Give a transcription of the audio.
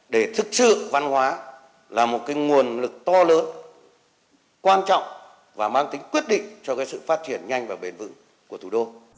để thực sự văn hóa là một cái nguồn lực to lớn quan trọng và mang tính quyết định cho cái sự phát triển nhanh và bền vững của thủ đô